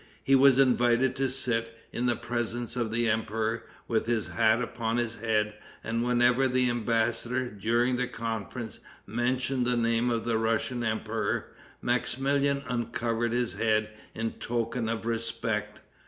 He was invited to sit, in the presence of the emperor, with his hat upon his head, and whenever the embassador, during the conference, mentioned the name of the Russian emperor, Maximilian uncovered his head in token of respect.